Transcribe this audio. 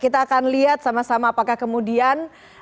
kita akan lihat sama sama apakah kemudian